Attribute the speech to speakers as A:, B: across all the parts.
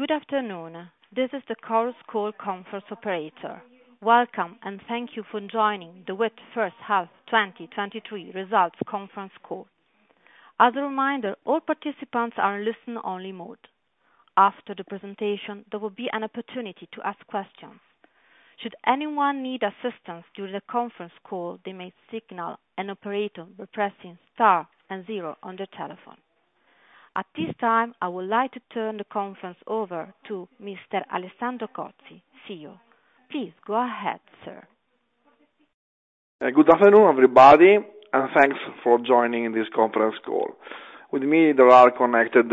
A: Good afternoon. This is the Chorus Call Conference operator. Welcome, and thank you for joining the WIIT H1 2023 results conference call. As a reminder, all participants are in listen only mode. After the presentation, there will be an opportunity to ask questions. Should anyone need assistance during the conference call, they may signal an operator by pressing Star and zero on their telephone. At this time, I would like to turn the conference over to Mr. Alessandro Cozzi, CEO. Please go ahead, sir.
B: Good afternoon, everybody, and thanks for joining this conference call. With me there are connected,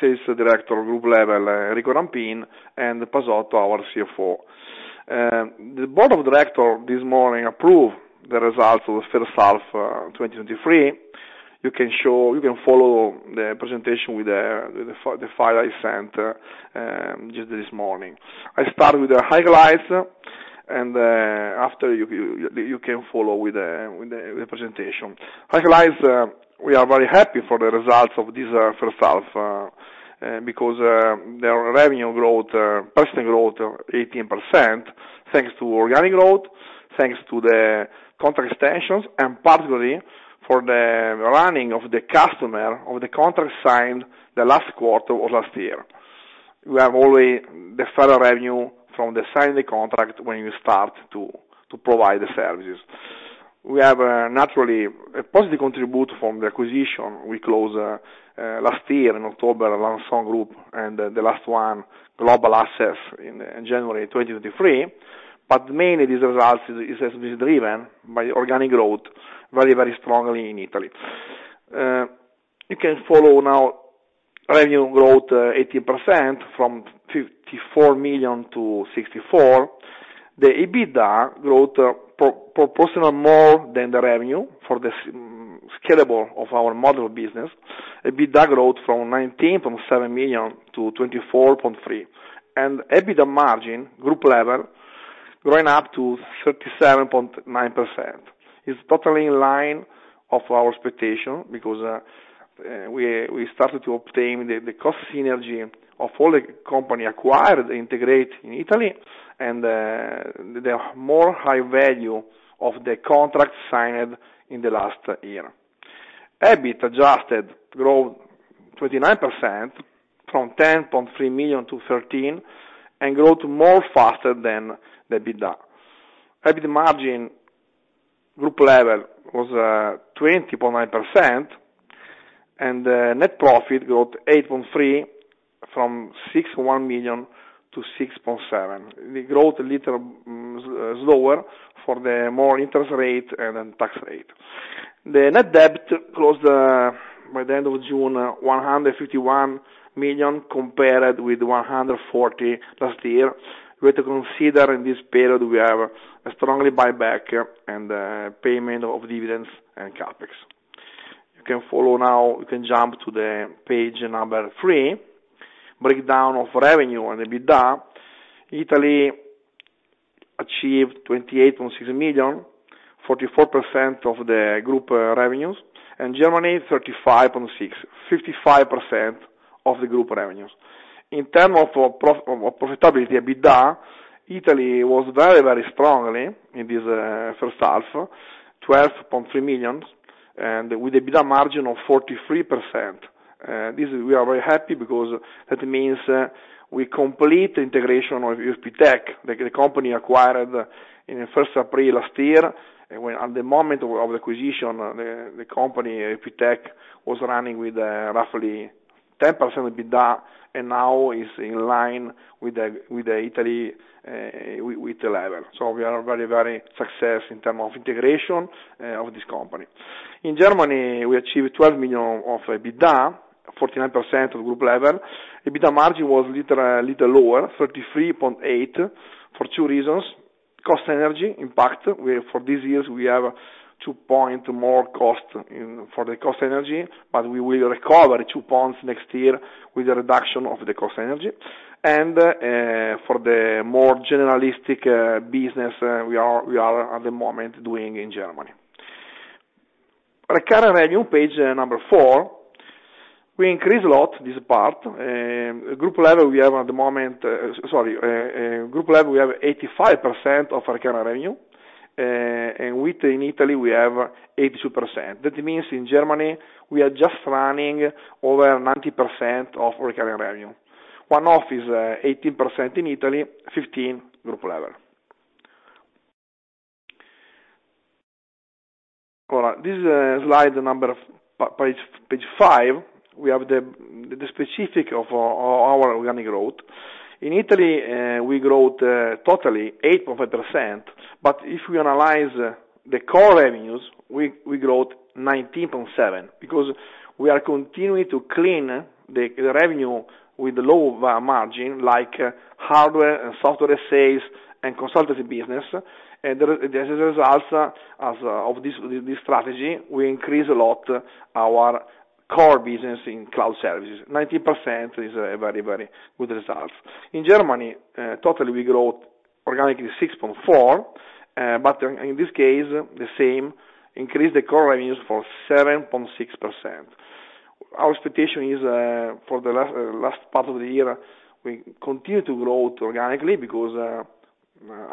B: Sales Director, group level, Enrico Rampin and Pasotto, our CFO. The board of directors this morning approved the results of the H1, 2023. You can follow the presentation with the file I sent just this morning. I start with the highlights, and after you can follow with the presentation. Highlights, we are very happy for the results of this H1 because the revenue growth, personal growth 18%, thanks to organic growth, thanks to the contract extensions, and particularly for the running of the customer, of the contract signed the last quarter of last year. We have already the further revenue from the signing the contract when you start to, to provide the services. We have, naturally, a positive contribute from the acquisition we closed last year in October, around Song Group and the last one, Global Access, in January 2023. Mainly this result is, is driven by organic growth, very, very strongly in Italy. You can follow now revenue growth 18% from 54 million to 64 million. The EBITDA growth pro- proportional more than the revenue for the scalable of our model business. EBITDA growth from 19.7 million to 24.3 million, and EBITDA margin, group level, going up to 37.9%. It's totally in line of our expectation because we, we started to obtain the cost synergy of all the company acquired, integrate in Italy, and the more high value of the contract signed in the last year. EBIT adjusted growth 29%, from 10.3 million to 13 million, growth more faster than the EBITDA. EBIT margin, group level, was 20.9%, net profit growth 8.3% from 6.1 million to 6.7 million. The growth a little slower for the more interest rate and then tax rate. The net debt closed by the end of June, 151 million, compared with 140 million last year. We have to consider in this period we have a strongly buyback and payment of dividends and CapEx. You can follow now, you can jump to the page number three, breakdown of revenue and EBITDA. Italy achieved 28.6 million, 44% of the group revenues, and Germany, 35.6 million, 55% of the group revenues. In terms of profitability, EBITDA, Italy was very, very strongly in this H1, 12.3 millions, and with EBITDA margin of 43%. This is we are very happy because that means we complete integration of ERPTech, the company acquired in 1st April last year, and when at the moment of acquisition, the company, ERPTech, was running with roughly 10% EBITDA, and now is in line with the Italy, with the level. We are very, very success in terms of integration of this company. In Germany, we achieved 12 million of EBITDA, 49% of the group level. EBITDA margin was little, little lower, 33.8%, for two reasons: cost energy impact. For these years, we have 2 point more cost in, for the cost energy, we will recover the 2 points next year with the reduction of the cost energy and for the more generalistic business we are at the moment doing in Germany. Recurring revenue, page 4, we increase a lot, this part. Group level, we have at the moment 85% of recurring revenue. In Italy, we have 82%. In Germany, we are just running over 90% of recurring revenue. One-off is 18% in Italy, 15% group level. This is slide number, page 5. We have the specific of our organic growth. In Italy, we growth totally 8.5%, but if we analyze the core revenues, we growth 19.7%, because we are continuing to clean the revenue with low margin, like hardware and software sales and consultancy business. As a result of this strategy, we increase a lot our core business in cloud services. 19% is a very, very good results. In Germany, totally we growth organically 6.4%. In this case, the same, increased the core revenues for 7.6%. Our expectation is for the last, last part of the year, we continue to grow organically because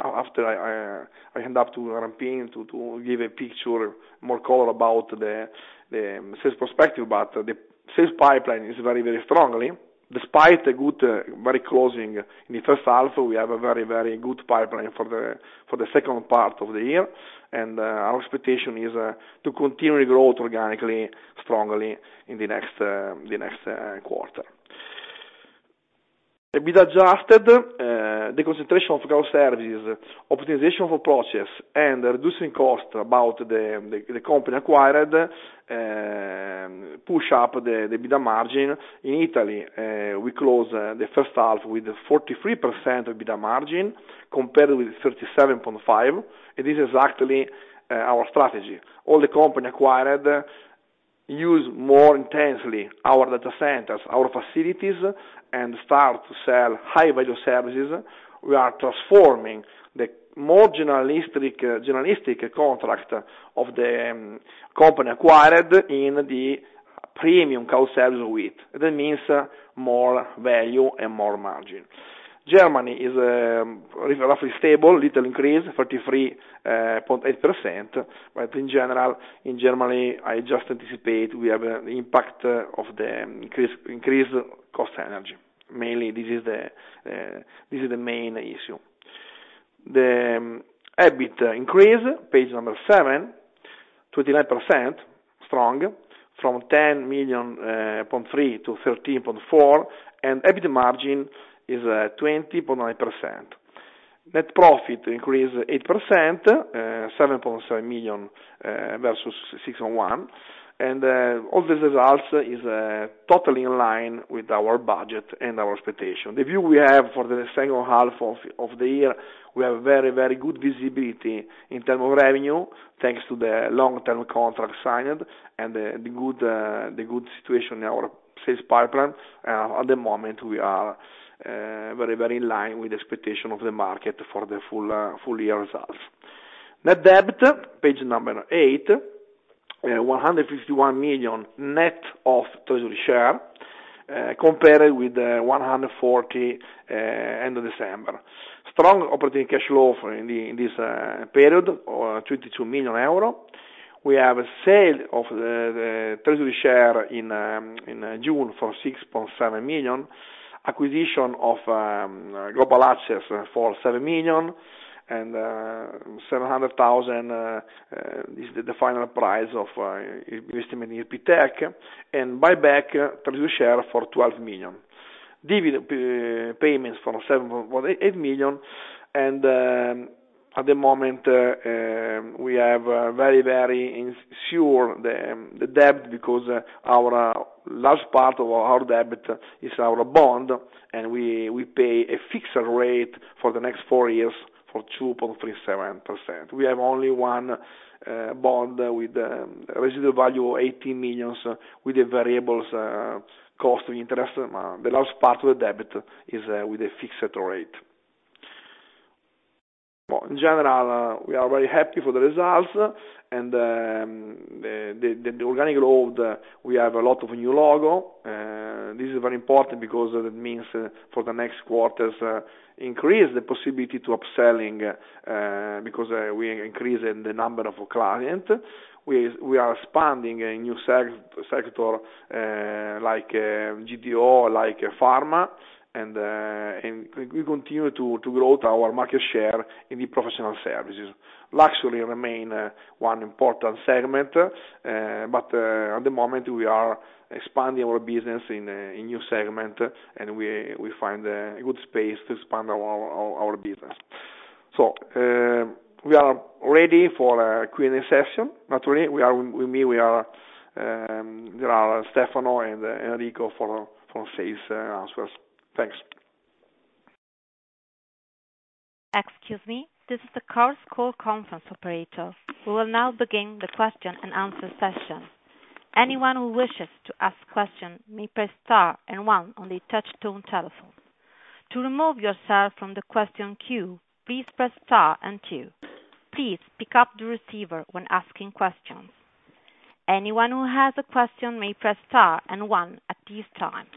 B: after I hand up to Rampin to give a picture, more color about the sales perspective, but the sales pipeline is very, very strongly, despite the good, very closing in the H1, we have a very, very good pipeline for the second part of the year. Our expectation is to continue to grow organically, strongly in the next, the next quarter. EBITDA adjusted, the concentration of cloud services, optimization of process, and reducing cost about the company acquired, push up the EBITDA margin. In Italy, we close the H1 with 43% EBITDA margin compared with 37.5%. This is actually our strategy. All the company acquired use more intensely our data centers, our facilities, and start to sell high value services. We are transforming the more journalistic, journalistic contract of the company acquired in the premium cloud service with. That means more value and more margin. Germany is roughly stable, little increase, 33.8%. In general, in Germany, I just anticipate we have an impact of the increase, increased cost energy. Mainly, this is the, this is the main issue. The EBIT increase, page number 7, 29%, strong, from 10.3 million to 13.4 million, EBIT margin is 20.9%. Net profit increase 8%, 7.7 million versus 6.1 million. All these results is totally in line with our budget and our expectation. The view we have for the H2 of, of the year, we have very, very good visibility in terms of revenue, thanks to the long-term contract signed and the, the good situation in our sales pipeline. At the moment, we are very, very in line with the expectation of the market for the full year results. Net debt, page number 8, 151 million net of treasury share, compared with 140 end of December. Strong operating cash flow for in the, this period, 22 million euro. We have a sale of the treasury share in June for 6.7 million, acquisition of Global Access for 7.7 million is the final price of investment in ERPTech, and buyback treasury share for 12 million. Dividend payments from 7.8 million. At the moment, we have very insured the debt because our large part of our debt is our bond. We pay a fixed rate for the next 4 years for 2.37%. We have only one bond with a residual value of 18 million, with a variable cost of interest. The last part of the debt is with a fixed rate. Well, in general, we are very happy for the results, and the organic load, we have a lot of new logo. This is very important because it means for the next quarters, increase the possibility to upselling, because we increase in the number of client. We are expanding a new sector, like GDO, like pharma, and we continue to grow our market share in the professional services. Luxury remain one important segment, but at the moment, we are expanding our business in a new segment, and we find a good space to expand our, our, our business. We are ready for a Q&A session. Actually, we are, with me, we are, there are Stefano and Enrico for sales answers. Thanks.
A: Excuse me, this is the Chorus Call conference operator. We will now begin the question and answer session. Anyone who wishes to ask question may press star and one on the touch-tone telephone. To remove yourself from the question queue, please press star and two. Please pick up the receiver when asking questions. Anyone who has a question may press star and one at this time.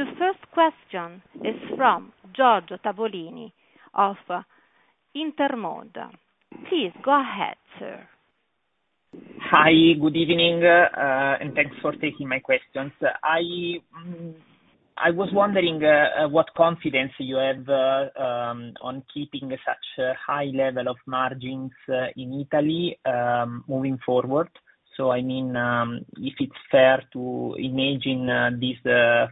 A: The first question is from Giorgio Tavolini of Intermonte. Please go ahead, sir.
C: Hi, good evening, thanks for taking my questions. I was wondering what confidence you have on keeping such a high level of margins in Italy moving forward. I mean, if it's fair to imagine this 45%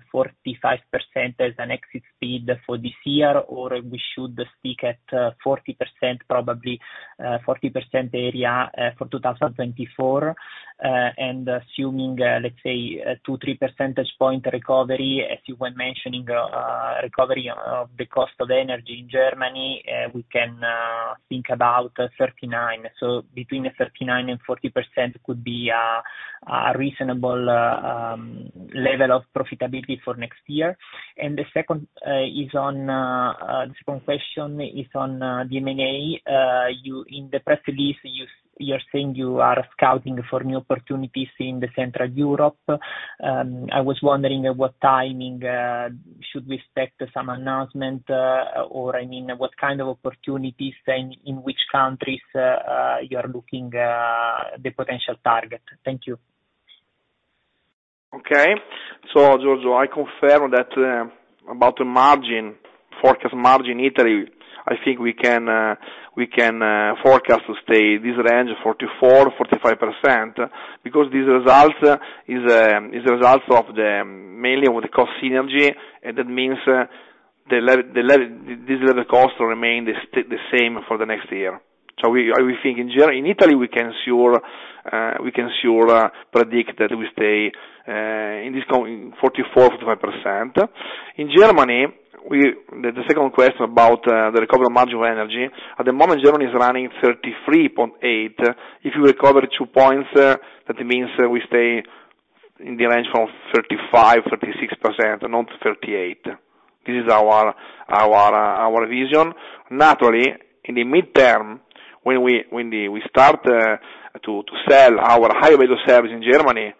C: as an exit speed for this year, or we should speak at 40%, probably, 40% area, for 2024? Assuming, let's say, 2, 3 percentage point recovery, as you were mentioning, recovery of the cost of energy in Germany, we can think about 39. Between the 39 and 40% could be a reasonable level of profitability for next year. The second is on, the second question is on the M&A. You, in the press release, you, you're saying you are scouting for new opportunities in Central Europe. I was wondering what timing should we expect some announcement, or, I mean, what kind of opportunities and in which countries you are looking, the potential target? Thank you.
B: Giorgio, I confirm that about the margin, forecast margin Italy, I think we can forecast to stay this range 44%-45%, because these results is the results of mainly with the cost synergy, that means the lever, this lever costs remain the same for the next year. We think in general, in Italy, we can sure predict that we stay in this 44%-45%. In Germany, the second question about the recovery margin of energy. At the moment, Germany is running 33.8. If you recover 2 points, that means that we stay in the range from 35%-36%, not 38. This is our vision. Naturally, in the midterm, when we start to sell our high value service in Germany,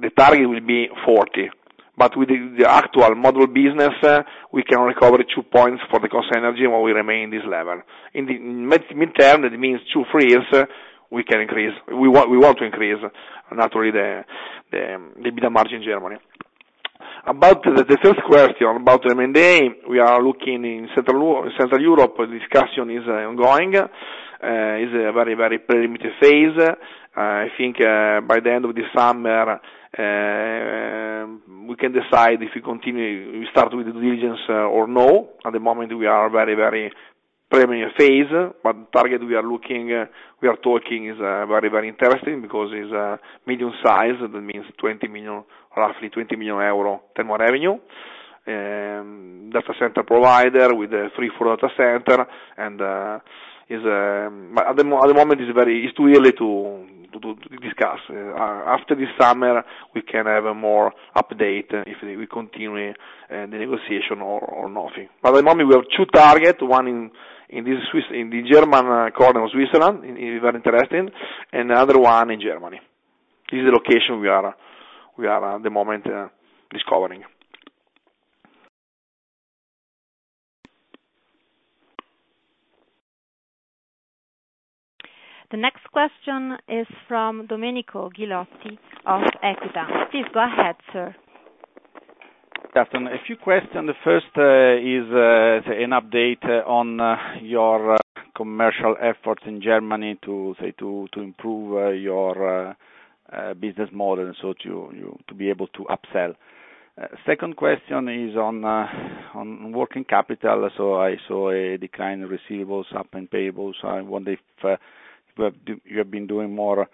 B: the target will be 40. With the actual model business, we can recover 2 points for the cost energy, and we remain in this level. In the midterm, that means 2, 3 years, we can increase, we want to increase, naturally, the beta margin in Germany. About the third question, about M&A, we are looking in Central Europe, where discussion is ongoing. Is a very, very preliminary phase. I think, by the end of the summer, we can decide if we continue, we start with the diligence or no. At the moment, we are very, very preliminary phase, but target we are looking, we are talking, is very, very interesting because it's medium size, that means 20 million, roughly 20 million euro in more revenue. Data center provider with a 3, 4 data center. At the moment, it's very, it's too early to discuss. After this summer, we can have a more update if we continue the negotiation or nothing. At the moment, we have 2 target, one in the Swiss, in the German corner of Switzerland, is very interesting, and the other one in Germany. This is the location we are, at the moment, discovering.
A: The next question is from Domenico Ghilotti of Equita. Please go ahead, sir.
D: A few questions. The first is an update on your commercial efforts in Germany to improve your business model and so to be able to upsell. Second question is on working capital. I saw a decline in receivables, up in payables. I wonder if you have been doing more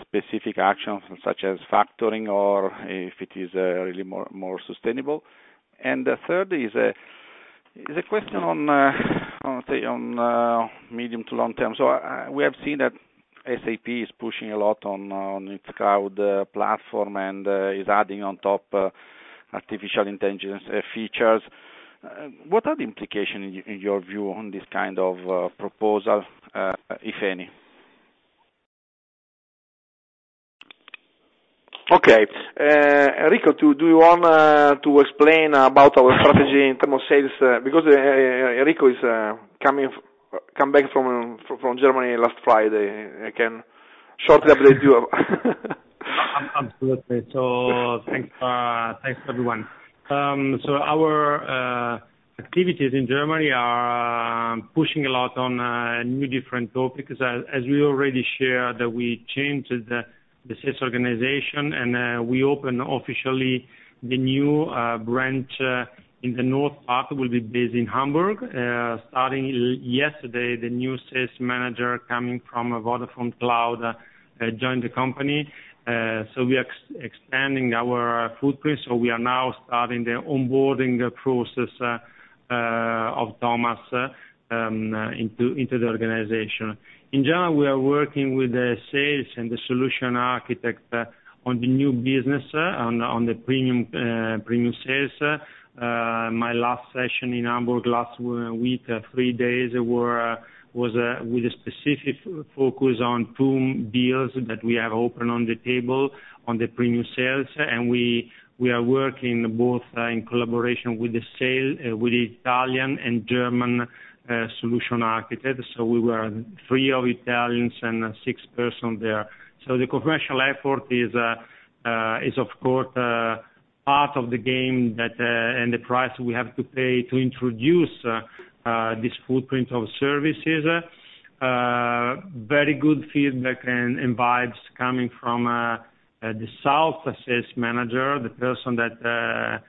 D: specific actions, such as factoring or if it is really more sustainable? The third is a question on medium to long term. We have seen that SAP is pushing a lot on its cloud platform, and is adding on top artificial intelligence features. What are the implication in y- in your view, on this kind of proposal, if any?
B: Okay. Enrico, do you want to explain about our strategy in terms of sales? Because Enrico is coming back from Germany last Friday. He can shortly update you.
E: Absolutely. Thanks, thanks, everyone. Our activities in Germany are pushing a lot on new different topics. As, as we already shared, that we changed the sales organization, and we open officially the new branch in the north part, will be based in Hamburg. Starting yesterday, the new sales manager coming from a Vodafone Cloud joined the company. We are expanding our footprint, so we are now starting the onboarding process of Thomas into the organization. In general, we are working with the sales and the solution architect on the new business on the, on the premium premium sales. My last session in Hamburg last week, three days were, was, with a specific focus on two deals that we have open on the table on the premium sales. We, we are working both, in collaboration with the sale, with Italian and German, solution architect. We were three of Italians and six persons there. The commercial effort is, is of course, part of the game that, and the price we have to pay to introduce, this footprint of services. Very good feedback and vibes coming from the south sales manager, the person that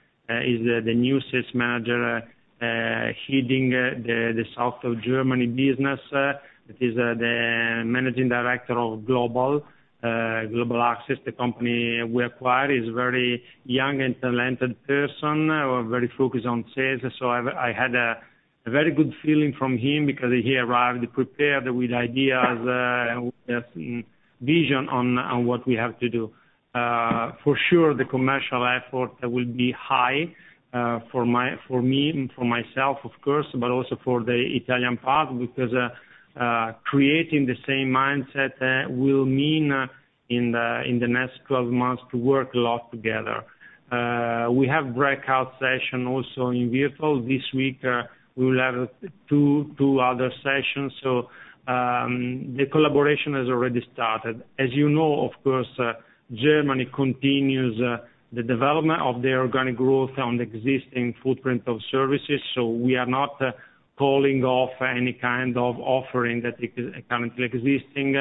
E: is the new sales manager, heading the south of Germany business, that is the managing director of Global Access, the company we acquired. He's a very young and talented person, very focused on sales. I've, I had a very good feeling from him, because he arrived prepared with ideas and with vision on what we have to do. For sure, the commercial effort will be high, for my, for me, for myself, of course, but also for the Italian part, because creating the same mindset will mean in the next 12 months to work a lot together. We have breakout session also in vehicle. This week, we will have two, two other sessions, so the collaboration has already started. As you know, of course, Germany continues the development of the organic growth on the existing footprint of services, so we are not calling off any kind of offering that is currently existing,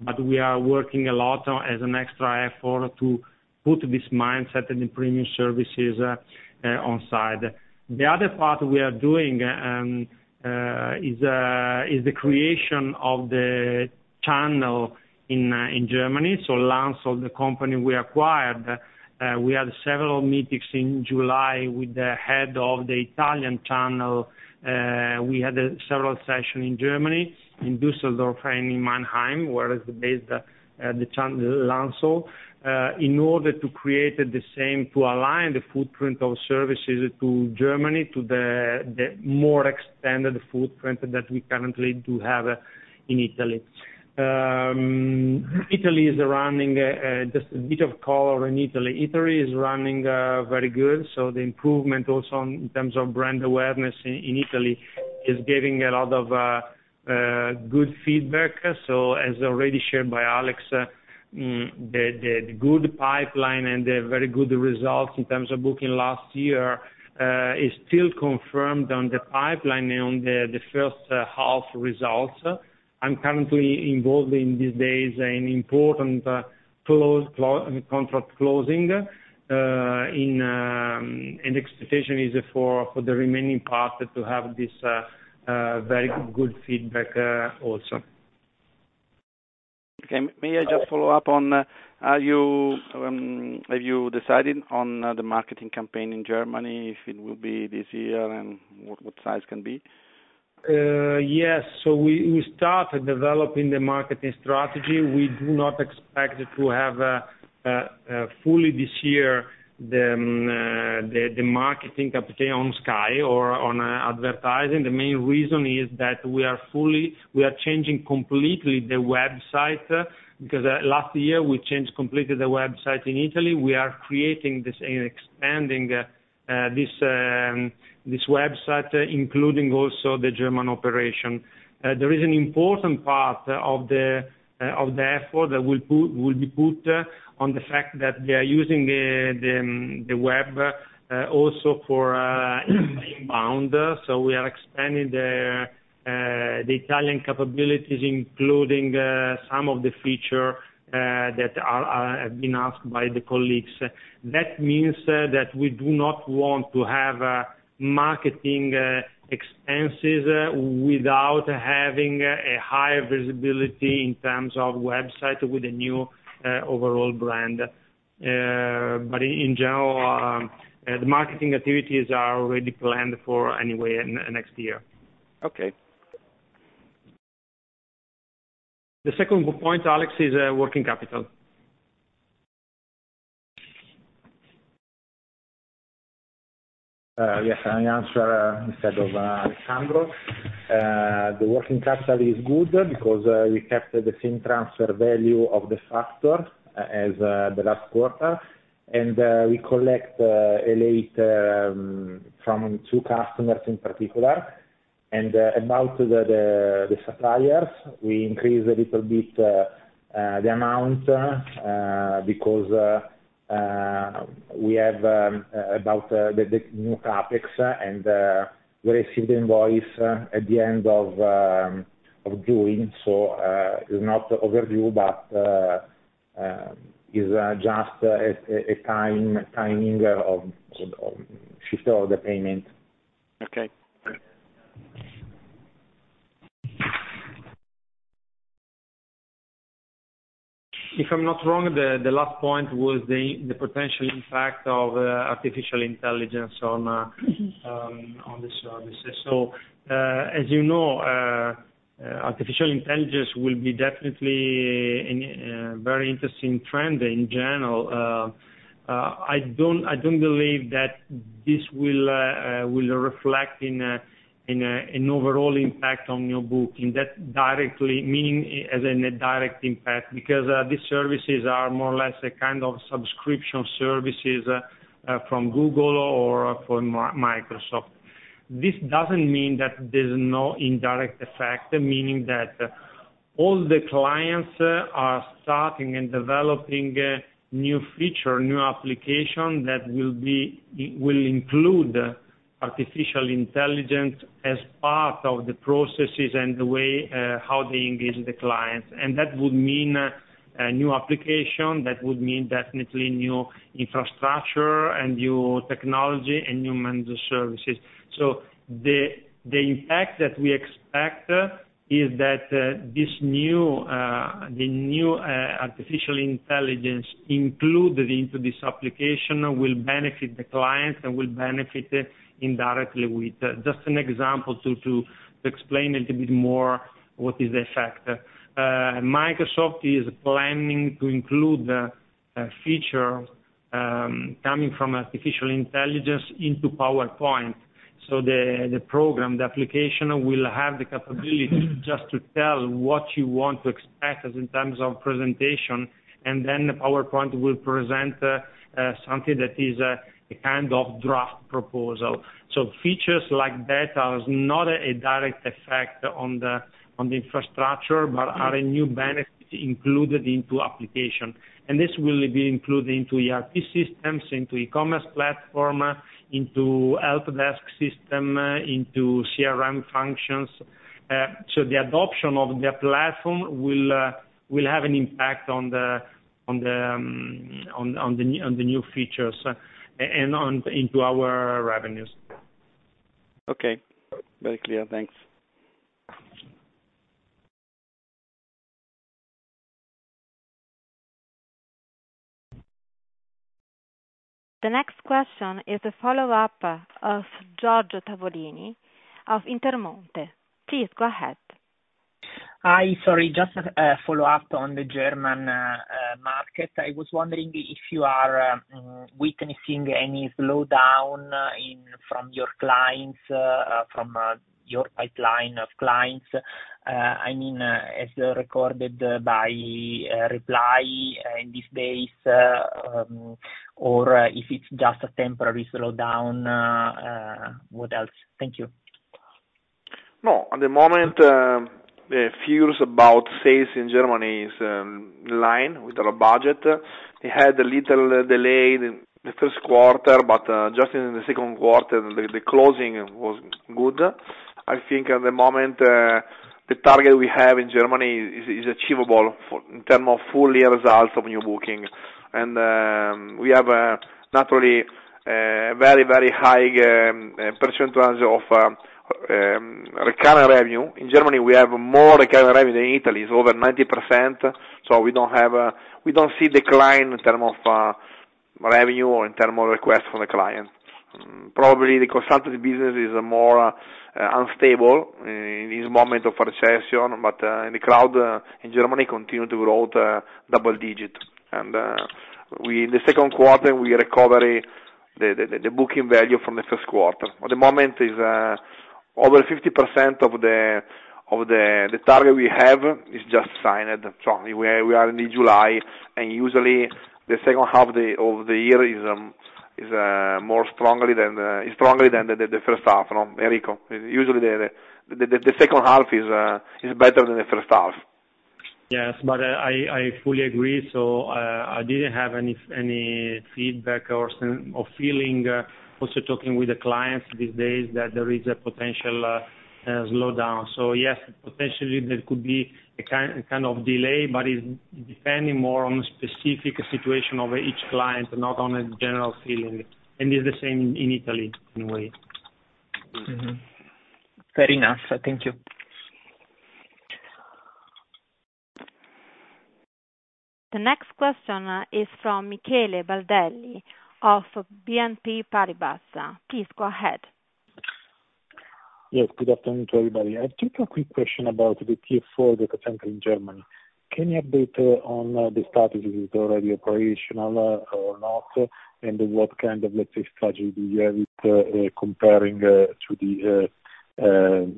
E: but we are working a lot on as an extra effort to put this mindset in the premium services onside. The other part we are doing is the creation of the channel in Germany, so Lansol, the company we acquired. We had several meetings in July with the head of the Italian channel, we had several session in Germany, in Dusseldorf and in Mannheim, where is based Lansol. In order to create the same, to align the footprint of services to Germany, to the, the more expanded footprint that we currently do have in Italy. Italy is running, just a bit of color in Italy. Italy is running, very good, the improvement also in terms of brand awareness in Italy, is getting a lot of good feedback. As already shared by Alex, the, the good pipeline and the very good results in terms of booking last year, is still confirmed on the pipeline on the, the H1 results. I'm currently involved in these days an important contract closing, in, expectation is for, for the remaining part to have this very good feedback, also.
D: Okay. May I just follow up on, are you, have you decided on, the marketing campaign in Germany, if it will be this year, and what, what size can be?
E: Yes. We, we started developing the marketing strategy. We do not expect to have fully this year, the marketing campaign on Sky or on advertising. The main reason is that we are changing completely the website because last year, we changed completely the website in Italy. We are creating this and expanding this website, including also the German operation. There is an important part of the effort that will put, will be put on the fact that we are using the web also for inbound. We are expanding the Italian capabilities, including some of the feature that have been asked by the colleagues. That means that we do not want to have marketing expenses without having a high visibility in terms of website with a new overall brand. In general, the marketing activities are already planned for anyway, next year.
D: Okay.
E: The second point, Alex, is, working capital.
F: Yes, I answer instead of Sandro. The working capital is good because we kept the same transfer value of the factor as the last quarter. We collect a late from 2 customers in particular, and amount to the suppliers. We increased a little bit the amount because we have about the new CapEx, and we received the invoice at the end of June. It's not overview, but is just a time, timing of shift of the payment.
D: Okay.
E: If I'm not wrong, the, the last point was the, the potential impact of artificial intelligence on, on the services. As you know, artificial intelligence will be definitely a very interesting trend in general. I don't, I don't believe that this will, will reflect in a, in a, an overall impact on your booking, that directly mean as in a direct impact, because these services are more or less a kind of subscription services from Google or from Microsoft. This doesn't mean that there's no indirect effect, meaning that all the clients are starting and developing new feature, new application, that will be, will include artificial intelligence as part of the processes and the way how they engage the clients. That would mean a new application. That would mean definitely new infrastructure, and new technology, and new managed services. The, the impact that we expect, is that, this new, the new, artificial intelligence included into this application, will benefit the clients and will benefit indirectly with. Just an example to, to, to explain a little bit more what is the effect. Microsoft is planning to include a, a feature, coming from artificial intelligence into PowerPoint. The, the program, the application will have the capability just to tell what you want to expect as in terms of presentation, and then the PowerPoint will present, something that is, a kind of draft proposal. Features like that has not a direct effect on the, on the infrastructure, but are a new benefit included into application. This will be included into ERP systems, into e-commerce platform, into help desk system, into CRM functions. The adoption of the platform will have an impact on the new features, and into our revenues.
D: Okay. Very clear. Thanks.
A: The next question is a follow-up, of Giorgio Tavolini of Intermonte. Please go ahead.
C: Hi, sorry, just a follow-up on the German market. I was wondering if you are witnessing any slowdown in from your clients, from your pipeline of clients? I mean, as recorded by Reply in this space, or if it's just a temporary slowdown, what else? Thank you.
B: No, at the moment, the fears about sales in Germany is in line with our budget. We had a little delay in the first quarter, but just in the second quarter, the closing was good. I think at the moment, the target we have in Germany is achievable for, in term of full year results of new booking. We have naturally very, very high percentage of recurrent revenue. In Germany, we have more recurrent revenue than Italy, it's over 90%, so we don't have, we don't see decline in term of revenue or in term of request from the client. Probably the consultative business is more unstable in this moment of recession, but in the cloud in Germany, continue to grow the double digit. We, in the second quarter, we recovery the, the, the booking value from the first quarter. At the moment is over 50% of the, of the, the target we have is just signed strongly. We are, we are in the July, and usually the H2 of the, of the year is more strongly than is strongly than the, the, the H1, no, Enrico? Usually the, the, the, H2 is better than the H1.
E: Yes, but I, I fully agree. I didn't have any, any feedback or feeling, also talking with the clients these days, that there is a potential slowdown. Yes, potentially there could be a kind of delay, but it's depending more on specific situation of each client, not on a general feeling. It's the same in Italy, anyway.
C: Mm-hmm. Fair enough. Thank you.
A: The next question is from Michele Baldelli of BNP Paribas. Please go ahead.
G: Yes, good afternoon to everybody. I have just a quick question about the Tier IV data center in Germany. Can you update on the status, if it is already operational or not? What kind of, let's say, strategy do you have, comparing to the, 10+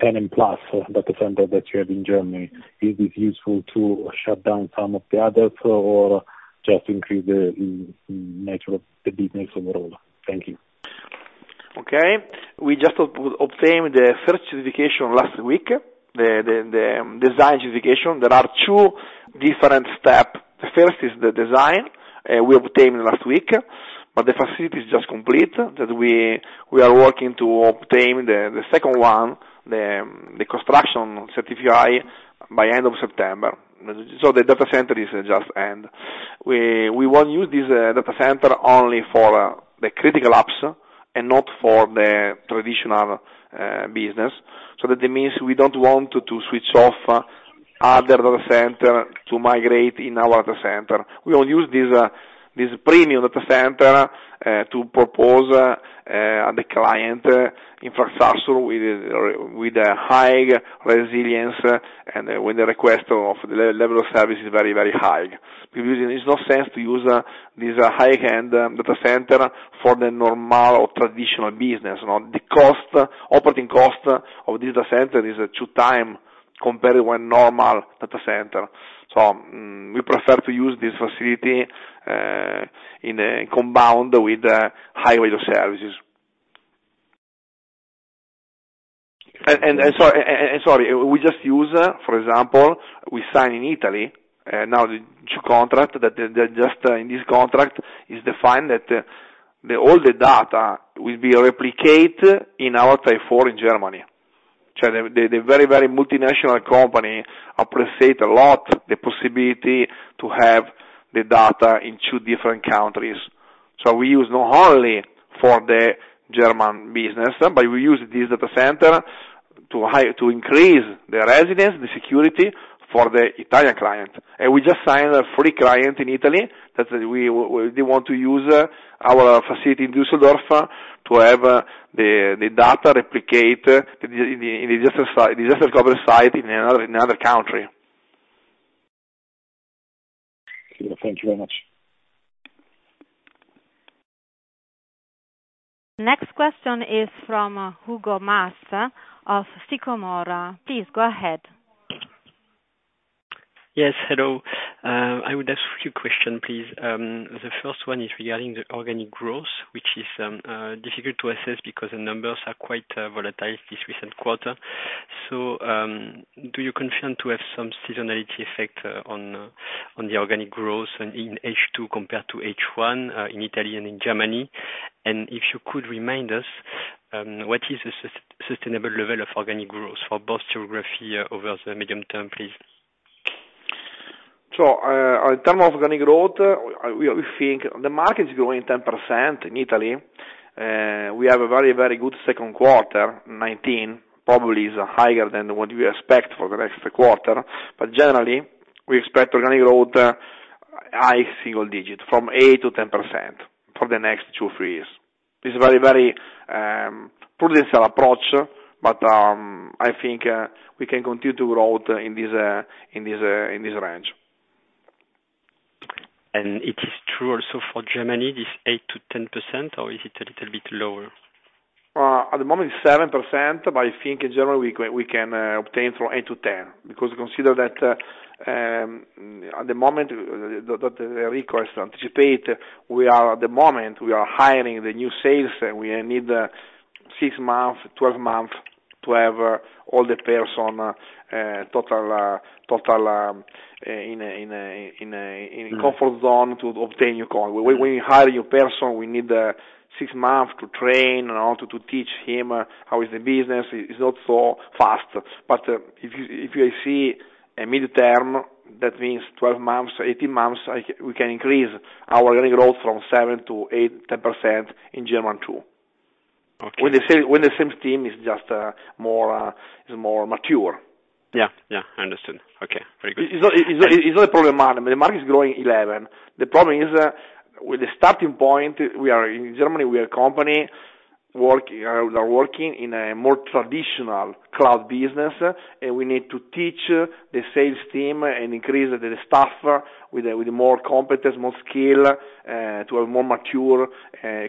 G: data center that you have in Germany? Is it useful to shut down some of the others or just increase the, metric, the business overall? Thank you.
B: Okay. We just obtained the first certification last week. The design certification. There are two different step. The first is the design, we obtained last week, but the facility is just complete, that we are working to obtain the second one, the construction certification by end of September. The data center is just end. We won't use this data center only for the critical apps and not for the traditional business. That it means we don't want to switch off other data center to migrate in our data center. We will use this premium data center to propose the client infrastructure with a high resilience, and when the request of the level of service is very, very high. Because there's no sense to use this high-end data center for the normal or traditional business, no, the cost, operating cost of this data center is 2 times compared to 1 normal data center. We prefer to use this facility in a compound with high rate of services. We just use, for example, we sign in Italy, now the 2 contract that, that just, in this contract is defined that the all the data will be replicate in our Tier IV in Germany. The very, very multinational company appreciate a lot, the possibility to have the data in 2 different countries. We use not only for the German business, but we use this data center to increase the residence, the security for the Italian client. We just signed a free client in Italy, that we, they want to use, our facility in Düsseldorf to have, the, the data replicate in the, in the disaster disaster recovery site in another, in another country. Thank you very much.
A: Next question is from Hugo Mas of Sycomore. Please go ahead.
H: Yes, hello. I would ask a few question, please. The first one is regarding the organic growth, which is difficult to assess because the numbers are quite volatile this recent quarter. Do you confirm to have some seasonality effect on, on the organic growth and in H2, compared to H1, in Italy and in Germany? If you could remind us, what is the sustainable level of organic growth for both geography over the medium term, please?
B: In terms of organic growth, we, we think the market is growing 10% in Italy. We have a very, very good second quarter, 19, probably is higher than what we expect for the next quarter. Generally, we expect organic growth, high single digit, from 8%-10% for the next two, three years. This is very, very prudential approach, but I think we can continue to growth in this, in this, in this range.
H: It is true also for Germany, this 8%-10%, or is it a little bit lower?
B: At the moment, it's 7%, I think in general, we can, we can obtain from 8-10, because consider that at the moment, the, the request anticipate, we are at the moment, we are hiring the new sales, and we need 6 months, 12 months to have all the person total total in a comfort zone to obtain your goal. When we hire a new person, we need 6 months to train or to, to teach him how is the business. It's not so fast. If you, if you see a mid-term, that means 12 months, 18 months, I, we can increase our organic growth from 7% to 8-10% in Germany, too.
H: Okay.
B: When the same, when the same team is just, more, is more mature.
H: Yeah, yeah. I understand. Okay, very good.
B: It's not, it's not, it's not a problem with market, the market is growing 11. The problem is with the starting point, we are in Germany, we are a company working, working in a more traditional cloud business, we need to teach the sales team and increase the staff with a, with more competence, more skill, to have more mature,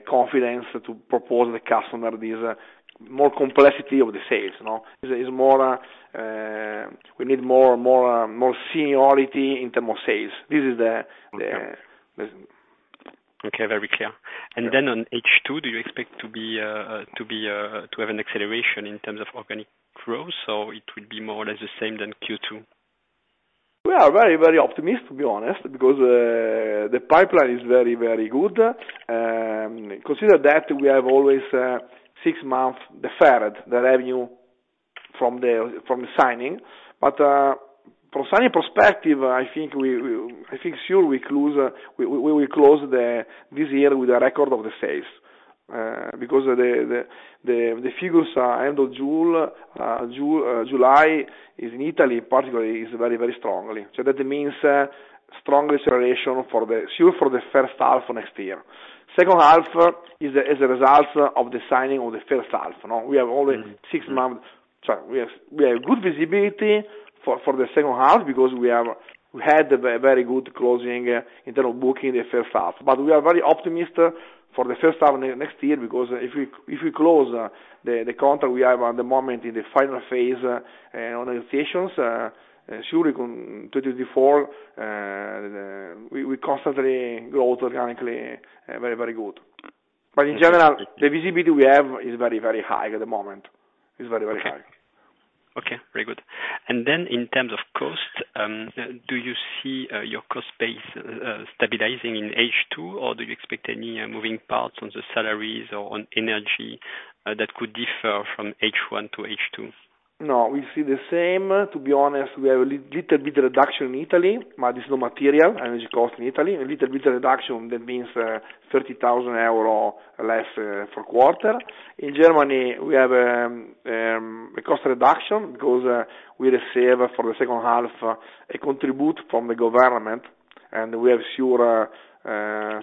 B: confidence to propose the customer. There's a more complexity of the sales, you know? There's more, we need more, more, more seniority in terms of sales. This is the.
H: Okay. Very clear. On H2, do you expect to have an acceleration in terms of organic growth, or it will be more or less the same than Q2?
B: We are very, very optimistic, to be honest, because the pipeline is very, very good. Consider that we have always 6 months deferred, the revenue from the, from the signing. From signing perspective, I think we, we, I think sure we close, we, we, we will close the, this year with a record of the sales. Because the, the, the, the figures are end of June, July, is in Italy, particularly, is very, very strong. That means strong acceleration. Sure, for the H1 of next year. H2 is a, is a result of the signing of the H1, you know?
H: Mm-hmm.
B: We have only 6 months. We have, we have good visibility for, for the H2 because we have, we had a very, very good closing in terms of booking the H1. We are very optimist for the H1 of next year, because if we, if we close the contract we have at the moment in the final phase, and on the stations, sure we can, 20 to 24, we, we constantly grow organically very, very good. In general, the visibility we have is very, very high at the moment. It's very, very high.
H: Okay, very good. Then in terms of cost, do you see your cost base stabilizing in H2, or do you expect any moving parts on the salaries or on energy that could differ from H1 to H2?
B: No, we see the same. To be honest, we have a little bit reduction in Italy, but there's no material energy cost in Italy. A little bit reduction, that means 30,000 euro less per quarter. In Germany, we have a cost reduction, because we receive for the H2 a contribute from the government, and we are sure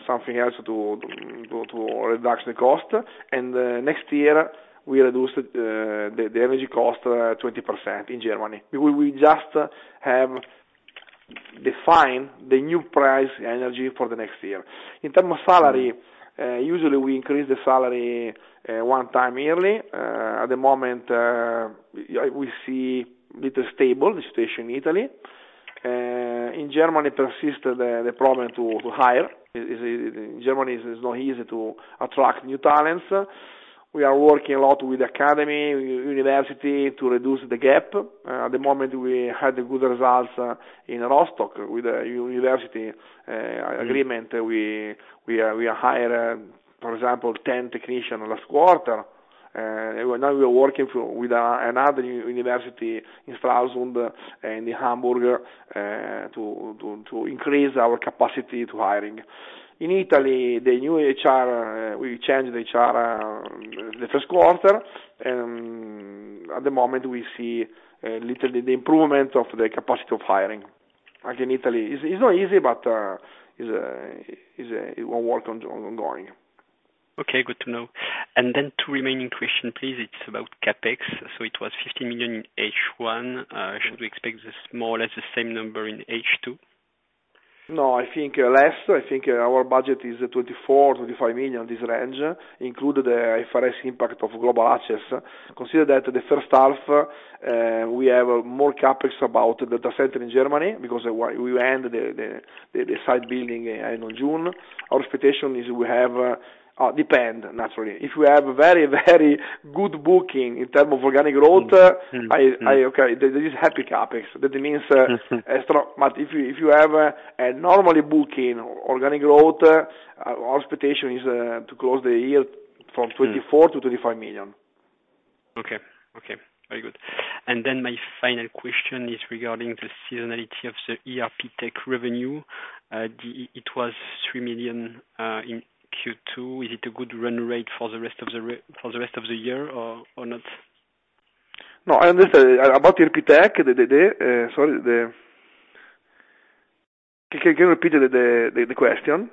B: something else to, to, to reduce the cost. Next year, we reduce the energy cost 20% in Germany. We, we just have defined the new price energy for the next year. In terms of salary, usually we increase the salary 1 time yearly. At the moment, we see little stable the situation in Italy. In Germany, persist the problem to, to hire. In Germany is not easy to attract new talents. We are working a lot with academy, university to reduce the gap. At the moment, we had good results in Rostock with the university agreement. We hire, for example, 10 technician last quarter. Now we are working with another university in Strasbourg and in Hamburg to increase our capacity to hiring. In Italy, the new HR, we changed the HR the first quarter. At the moment, we see little the improvement of the capacity of hiring. Again, Italy, it's not easy, but is, it will work on going.
H: Okay, good to know. Then two remaining question, please. It's about CapEx. It was 50 million in H1. Should we expect this more or less the same number in H2?
B: No, I think less. I think our budget is 24 million-25 million, this range, including the IFRS impact of Global Access. Consider that the H1, we have more CapEx about the data center in Germany, because we end the site building in June. Our expectation is we have, depend, naturally. If we have very, very good booking in term of organic growth Okay, this is happy CapEx. That means. Extra. If you, if you have a, a normal booking organic growth, our expectation is, to close the year from-... 24 million-35 million.
H: Okay, okay. Very good. My final question is regarding the seasonality of the ERPTech revenue. It was 3 million in Q2. Is it a good run rate for the rest of the year or, or not?
B: No, I understand. About ERPTech, sorry, Can you repeat the question?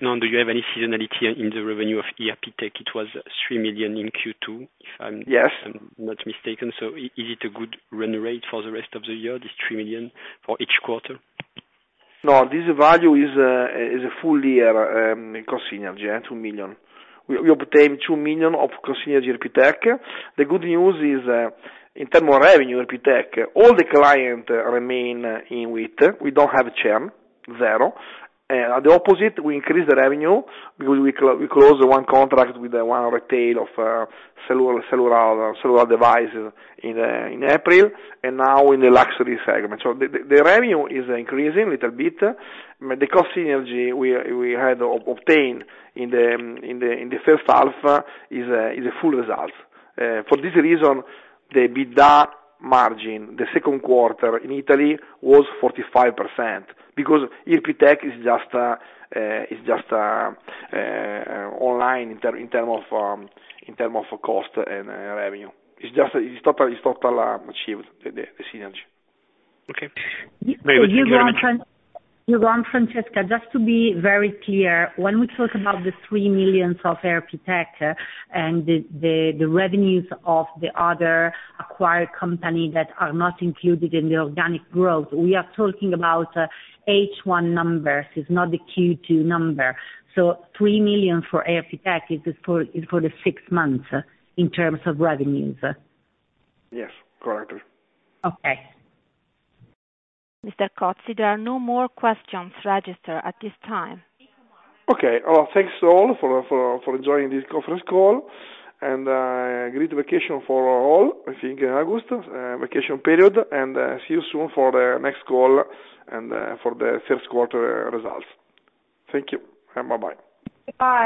H: No, do you have any seasonality in the revenue of ERPTech? It was 3 million in Q2, if I'm-
B: Yes...
H: I'm not mistaken. Is it a good run rate for the rest of the year, this 3 million for each quarter?
B: No, this value is a full year cost synergy, 2 million. We obtain 2 million of cost synergy ERPTech. The good news is in term of revenue, ERPTech, all the client remain in with. We don't have a churn, 0. At the opposite, we increase the revenue because we close 1 contract with the 1 retail of cellular, cellular, cellular devices in April, and now in the luxury segment. The revenue is increasing little bit, but the cost synergy we had obtained in the H1 is a full result. For this reason, the EBITDA margin, the second quarter in Italy, was 45%, because ERPTech is just online in term of cost and revenue. It's just, it's total achieved, the synergy.
H: Okay.
B: Very good.
I: You go on, Francesca. Just to be very clear, when we talk about the 3 million of ERPTech and the revenues of the other acquired company that are not included in the organic growth, we are talking about H1 numbers, it's not the Q2 number. 3 million for ERPTech is for the 6 months in terms of revenues?
B: Yes, correctly.
I: Okay.
A: Mr. Cozzi, there are no more questions registered at this time.
B: Okay. Thanks all for, for, for joining this conference call, great vacation for all. I think in August, vacation period, see you soon for the next call and for the third quarter results. Thank you, bye-bye.
I: Bye-bye.